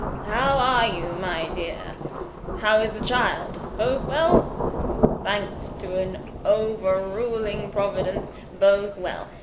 (How are you, my dear? how is the child? Both well? Thanks to an overruling Providence, both well.)